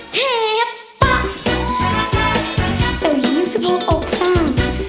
เชฟป๊าเอ๋ยี๑๖อกสัง๑๕